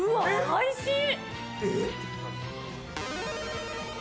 おいしい。